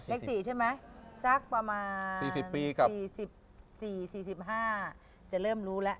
เลข๔ใช่ไหมสักประมาณ๔๐ปีกับ๔๔๔๕จะเริ่มรู้แล้ว